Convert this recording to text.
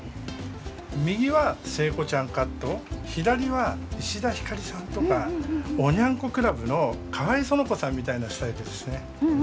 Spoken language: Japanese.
右は聖子ちゃんカット左は石田ひかりさんとかおニャン子クラブの河合その子さんみたいなスタイルですね。